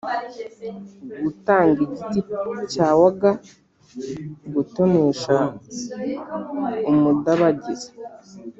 " gutanga igiti cya waga = gutonesha umudabagizi."